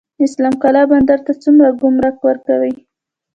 اسلام قلعه بندر څومره ګمرک ورکوي؟